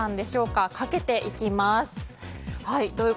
かけていきます。